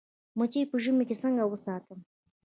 مچۍ په ژمي کې څنګه وساتم؟